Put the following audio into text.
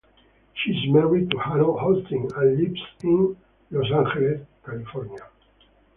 She is married to Harold Austin and lives in Los Angeles, California.